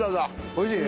おいしい？